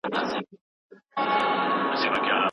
اسلام د طلاق صلاحيت چاته ورکړی دی؟